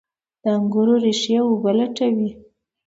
د انګورو ریښې اوبه لټوي.